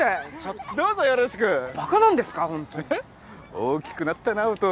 大きくなったな弟。